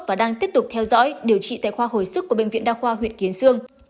và đang tiếp tục theo dõi điều trị tại khoa hồi sức của bệnh viện đa khoa huyện kiến sương